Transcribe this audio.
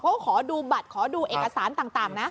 ขอดูบัตรขอดูเอกสารต่างนะ